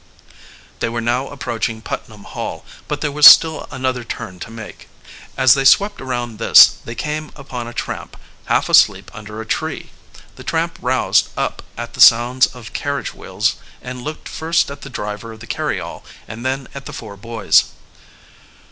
They were now approaching Putnam Hall, but there was still another turn to make. As they swept around this, they came upon a tramp, half asleep under a tree. The tramp roused up at the sounds of carriage wheels and looked first at the driver of the carryall and then at the four boys.